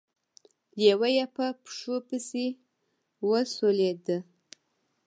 لېوه يې په پښو پسې وسولېد.